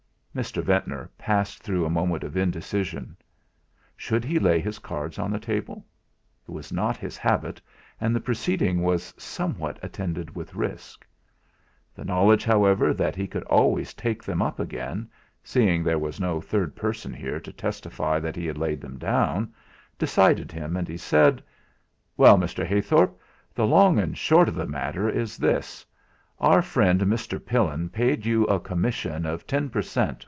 Mr. Ventnor passed through a moment of indecision. Should he lay his cards on the table? It was not his habit, and the proceeding was sometimes attended with risk. The knowledge, however, that he could always take them up again, seeing there was no third person here to testify that he had laid them down, decided him, and he said: "Well, Mr. Heythorp, the long and short of the matter is this: Our friend Mr. Pillin paid you a commission of ten per cent.